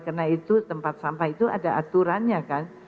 karena itu tempat sampah itu ada aturannya kan